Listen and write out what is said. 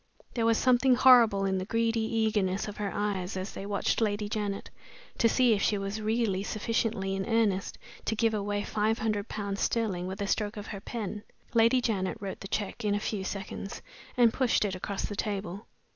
There was something horrible in the greedy eagerness of her eyes as they watched Lady Janet, to see if she was really sufficiently in earnest to give away five hundred pounds sterling with a stroke of her pen. Lady Janet wrote t he check in a few seconds, and pushed it across the table.